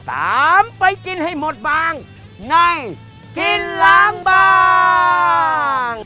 ตามไปกินให้หมดบางในกินล้างบาง